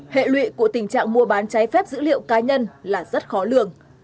hệ lụy của tình trạng mua bán trái phép dữ liệu cá nhân là rất khó lường